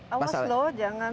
awas lho jangan